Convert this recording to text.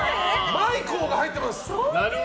マイケルが入ってます。